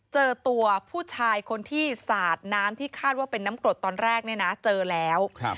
เจอตัวผู้ชายคนที่สาดน้ำที่คาดว่าเป็นน้ำกรดตอนแรกเนี่ยนะเจอแล้ว